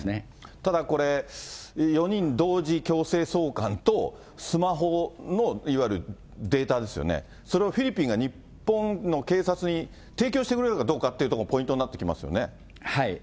ただこれ、４人同時強制送還と、スマホのいわゆるデータですよね、それをフィリピンが日本の警察に提供してくれるかどうかというところもポイントになってきますよね。